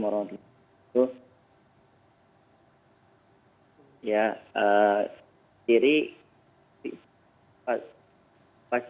assalamualaikum warahmatullahi wabarakatuh